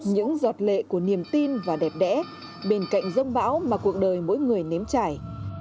những giọt lệ của niềm tin và đẹp đẽ bên cạnh dông bão mà cuộc đời mỗi người nếm trải